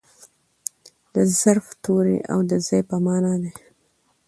د ظرف توری او د ځای په مانا دئ.